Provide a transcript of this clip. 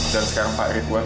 dan sekarang pak erick wan